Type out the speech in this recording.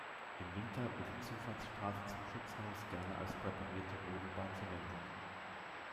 Im Winter wird die Zufahrtsstraße zum Schutzhaus gerne als präparierte Rodelbahn verwendet.